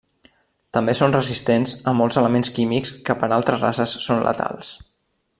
També són resistents a molts elements químics que per a altres races són letals.